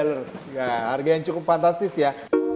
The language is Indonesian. nah harga yang cukup fantastis ya